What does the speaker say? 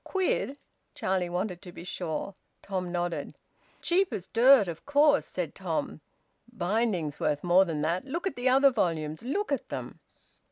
"Quid?" Charlie wanted to be sure. Tom nodded. "Cheap as dirt, of course!" said Tom. "Binding's worth more than that. Look at the other volumes. Look at them!"